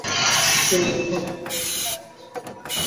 ইচ্ছে হলো গুলি করে, কিন্তু জানে তাতে কোনো লাভ হবে না।